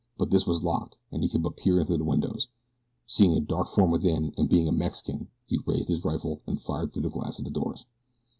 But this was locked and he could but peer in through the windows. Seeing a dark form within, and being a Mexican he raised his rifle and fired through the glass of the doors.